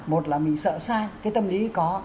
một là mình sợ sai cái tâm lý có